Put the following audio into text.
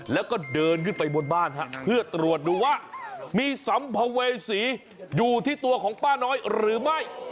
แล้วก็เดินขึ้นไปบนบ้านฮะเพื่อตรวจดูว่ามีสัมภเวษีอยู่ที่ตัวของป้าน้อยหรือไม่